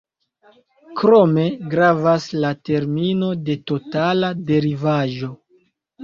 Krome gravas la termino de totala derivaĵo.